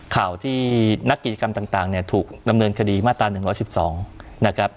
ข่าวที่นักกิจกรรมต่างเนี่ยถูกดำเนินคดีมาตรา๑๑๒นะครับ